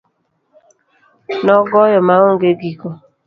Nogoyo maong'e giko.